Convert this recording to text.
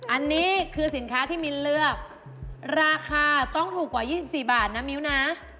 อันนี้คือสินค้าที่มิ้นเลือกราคาต้องถูกกว่า๒๔บาทนะมิ้วนะ